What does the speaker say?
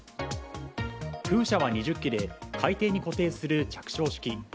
風車は２０基で海底に固定する着床式。